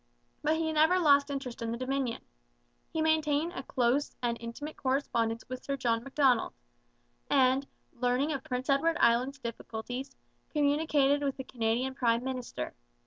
But he never lost interest in the Dominion. He maintained a close and intimate correspondence with Sir John Macdonald, and, learning of Prince Edward Island's difficulties, communicated with the Canadian prime minister.